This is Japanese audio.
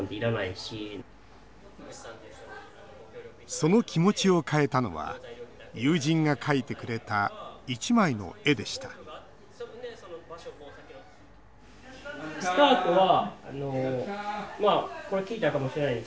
その気持ちを変えたのは友人が描いてくれた一枚の絵でした実物が見れるなんて！